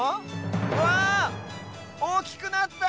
わっおおきくなった！